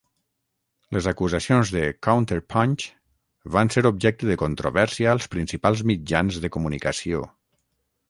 Les acusacions de "CounterPunch" van ser objecte de controvèrsia als principals mitjans de comunicació.